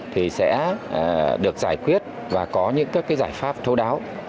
thì sẽ được giải quyết và có những cái giải pháp thấu đáo